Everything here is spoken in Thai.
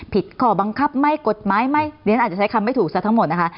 ข้อบังคับไม่กฎหมายไม่เรียนอาจจะใช้คำไม่ถูกซะทั้งหมดนะคะ